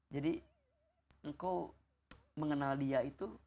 jadi engkau mengenal dia itu